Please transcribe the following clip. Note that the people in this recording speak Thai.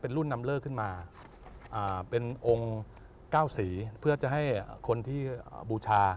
เป็นรุ่นนำเลิกขึ้นมาอ่าเป็นองค์เก้าศรีเพื่อจะให้คนที่บูชา